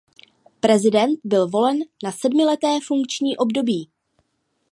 Prezident byl volen na sedmileté funkční období.